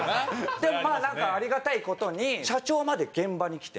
でもまあなんかありがたい事に社長まで現場に来て。